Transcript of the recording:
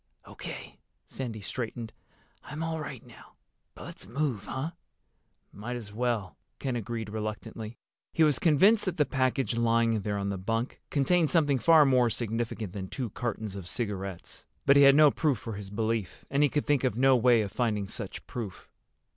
"O.K." Sandy straightened. "I'm all right now. But let's move, huh?" "Might as well," Ken agreed reluctantly. He was convinced that the package lying in there on the bunk contained something far more significant than two cartons of cigarettes. But he had no proof for his belief, and he could think of no way of finding such proof.